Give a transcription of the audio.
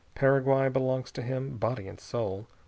Paraguay belongs to him, body and soul.